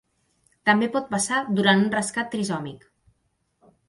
També pot passar durant un rescat trisòmic.